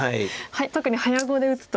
特に早碁で打つと。